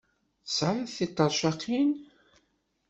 Tesɛid tiṭercaqin?